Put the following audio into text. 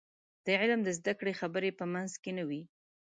د علم د زده کړې خبرې په منځ کې نه وي.